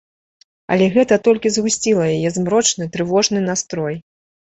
Але гэта толькі згусціла яе змрочны, трывожны настрой.